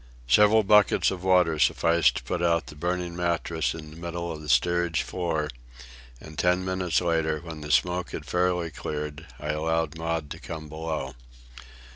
Several buckets of water sufficed to put out the burning mattress in the middle of the steerage floor; and ten minutes later, when the smoke had fairly cleared, I allowed Maud to come below.